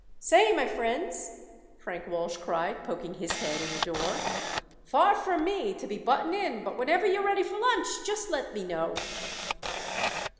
"Say, my friends," Frank Walsh cried, poking his head in the door, "far from me to be buttin' in, but whenever you're ready for lunch just let me know."